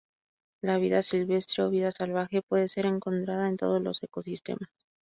La vida silvestre o vida salvaje puede ser encontrada en todos los ecosistemas.